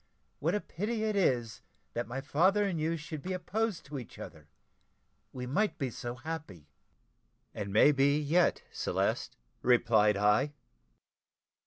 What a pity it is that my father and you should be opposed to each other we might be so happy!" "And may be yet, Celeste," replied I.